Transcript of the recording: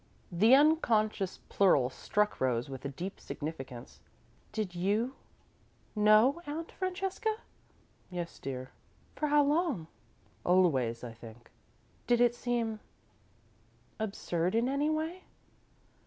The unconscious plural struck Rose with deep significance. "Did you know, Aunt Francesca?" "Yes, dear." "For how long?" "Always, I think." "Did it seem absurd, in any way?"